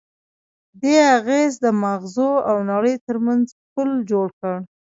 دې اغېز د ماغزو او نړۍ ترمنځ پُل جوړ کړ.